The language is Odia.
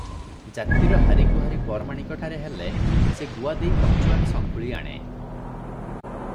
ଜାତିର ହାରିଗୁହାରି ପରମାଣିକ ଠାରେ ହେଲେ ସେ ଗୁଆ ଦେଇ ପଞ୍ଚୁଆତ ସଙ୍କୁଳି ଆଣେ ।